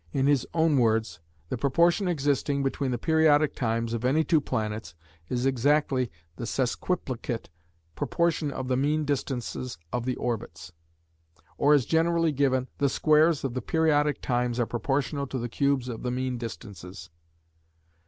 In his own words, "The proportion existing between the periodic times of any two planets is exactly the sesquiplicate proportion of the mean distances of the orbits," or as generally given, "the squares of the periodic times are proportional to the cubes of the mean distances."